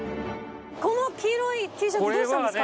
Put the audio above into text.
この黄色いＴシャツどうしたんですか？